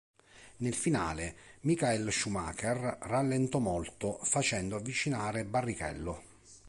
Nel finale Michael Schumacher rallentò molto, facendo avvicinare Barrichello.